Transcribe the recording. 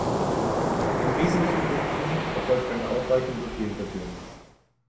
In wesentlichen Punkten erfolgt eine Aufweichung durch die Hintertür.